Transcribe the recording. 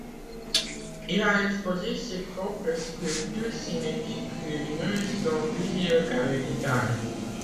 Il a exposé ses propres sculptures cinétiques lumineuses dans plusieurs galeries d'art.